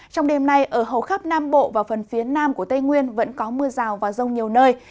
trong đêm nay ở hầu khắp nam bộ và phần phía nam của tây nguyên vẫn có mưa rào và rông nhiều nơi